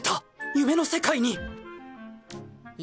夢の世界にっ